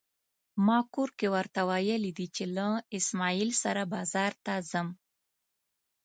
ما کور کې ورته ويلي دي چې له اسماعيل سره بازار ته ځم.